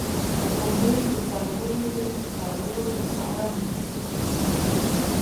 • غونډۍ د څارویو د څرولو لپاره مناسبه سیمه ده.